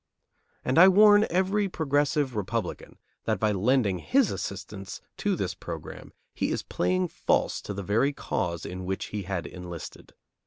And I warn every progressive Republican that by lending his assistance to this program he is playing false to the very cause in which he had enlisted.